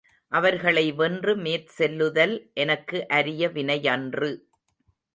அவர்களை வென்று மெற்செல்லுதல் எனக்கு அரிய வினையன்று.